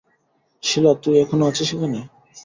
শীলা, তুই এখনো আছিস এখানে?